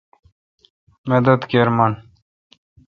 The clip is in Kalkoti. مدد کیر من۔